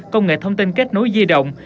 công nghệ thông tin kết nối di động